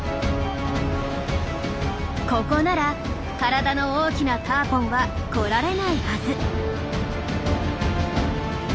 ここなら体の大きなターポンは来られないはず。